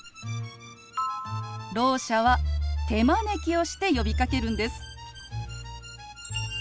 ろう者は手招きをして呼びかけるんです。